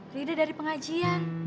rida dari pengajian